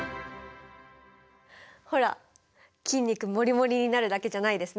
ほら筋肉モリモリになるだけじゃないですね。